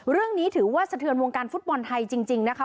เรื่องนี้ถือว่าสะเทือนวงการฟุตบอลไทยจริงนะคะ